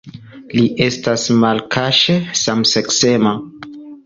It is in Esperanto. Li estas malkaŝe samseksema.